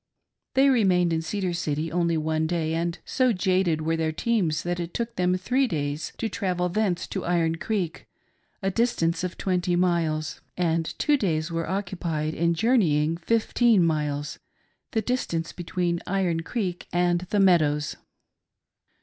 They remained in Cedar City only one day, and so jaded were their teams that it took them three days to travel thence to Iron Creek — a distance of twenty miles ; and two days were occupied in journeying fifteen miles — the distance betweei? Iron Creek and the Meadows.